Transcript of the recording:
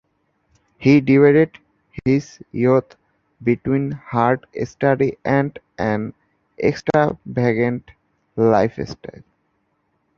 He divided his youth between hard study and an extravagant lifestyle.